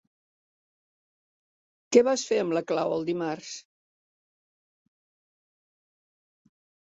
Què vas fer amb la clau el dimarts?